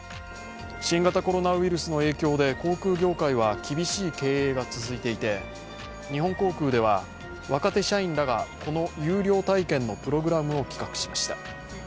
新型コロナウイルスの影響で航空業界は厳しい経営が続いていて日本航空では、若手社員らがこの有料体験のプログラムを企画しました。